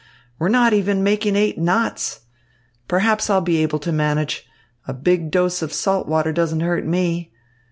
We're not even making eight knots. Perhaps I'll be able to manage. A big dose of salt water doesn't hurt me.